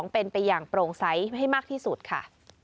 เป็นไปอย่างโปร่งใสให้มากที่สุดค่ะ